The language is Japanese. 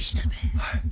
はい。